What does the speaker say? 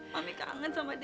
mami kangen sama dadi